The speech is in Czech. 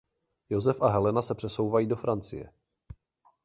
Josef a Helena se přesouvají do Francie.